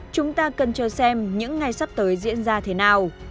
chúng ta cần chờ xem những ngày sắp tới diễn ra thế nào